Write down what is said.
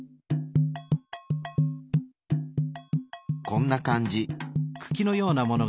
こんな感じ。